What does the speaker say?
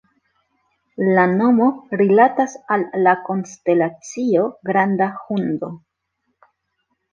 La nomo rilatas al la konstelacio Granda Hundo.